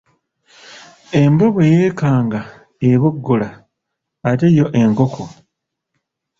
Embwa bwe yeekanga eboggola ate yo enkoko?